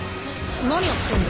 何やってんだ？